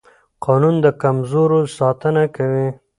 قانون د کمزورو ساتنه کوي